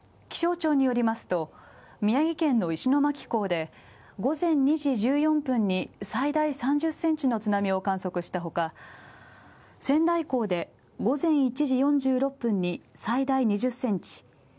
気象庁によりますと、宮城県の石巻港で最大３０センチの津波を観測したほか、仙台港で午前１時４６分に最大２０センチ。